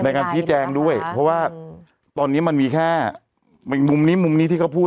ในการชี้แจงด้วยเพราะว่าตอนนี้มันมีแค่อีกมุมนี้มุมนี้ที่เขาพูด